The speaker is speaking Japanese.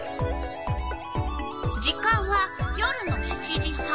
時間は夜の７時半。